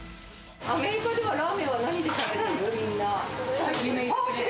アメリカではラーメンは何でお箸で。